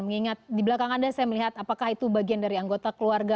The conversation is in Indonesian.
mengingat di belakang anda saya melihat apakah itu bagian dari anggota keluarga